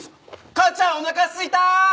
母ちゃんおなかすいた！